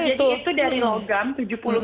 iya jadi itu dari logam tujuh puluh kilo